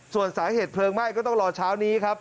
ส่วนสาเหตุเพลิงไหม้ก็ต้องรอเช้านี้ครับ